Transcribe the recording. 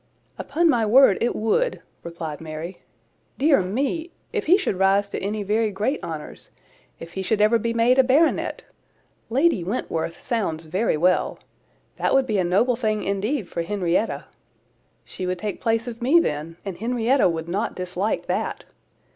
"Upon my word it would," replied Mary. "Dear me! If he should rise to any very great honours! If he should ever be made a baronet! 'Lady Wentworth' sounds very well. That would be a noble thing, indeed, for Henrietta! She would take place of me then, and Henrietta would not dislike that.